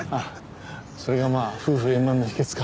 それがまあ夫婦円満の秘訣か。